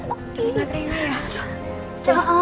ini gak ada rena ya